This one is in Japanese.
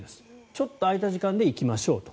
ちょっと空いた時間に行きましょうと。